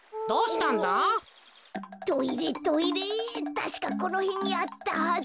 たしかこのへんにあったはず。